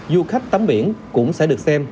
du khách tắm biển cũng sẽ được xem